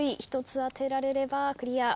１つ当てられればクリア。